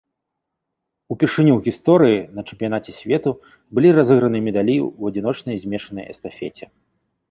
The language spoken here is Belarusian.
Упершыню ў гісторыі на чэмпіянаце свету былі разыграны медалі ў адзіночнай змешанай эстафеце.